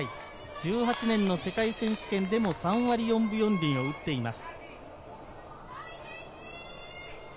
１８年の世界選手権でも３割４分４厘を打っています。